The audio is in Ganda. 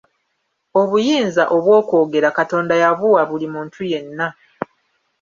Obuyinza obw'okwogera Katonda yabuwa buli muntu yenna.